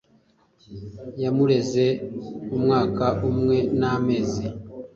yamureze umwaka umwe n'amezi,